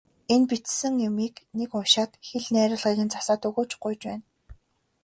Энэ бичсэн юмыг нэг уншаад хэл найруулгыг нь засаад өгөөч, гуйж байна.